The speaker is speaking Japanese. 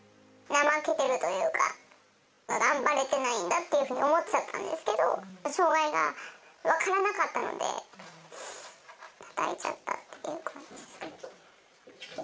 怠けているというか、頑張れてないんだっていうふうに思っちゃったんですけど、障がいが分からなかったので、たたいちゃったっていう感じです。